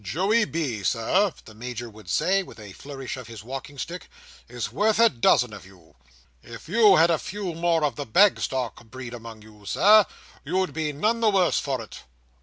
"Joey B., Sir," the Major would say, with a flourish of his walking stick, "is worth a dozen of you. If you had a few more of the Bagstock breed among you, Sir, you'd be none the worse for it.